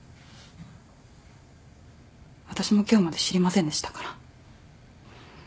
私も今日まで知りませんでしたから。